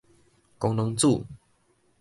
桄榔子